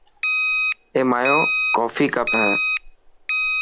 اي مايو ڪوفي ڪپ هي.